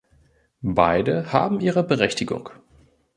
Beide haben ihre Berechtigung.